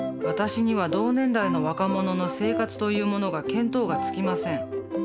私には同年代の若者の生活というものが見当がつきません。